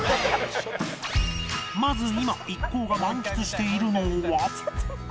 まず今一行が満喫しているのは